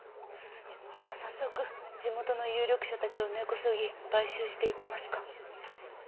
では早速地元の有力者たちを根こそぎ買収していきますか。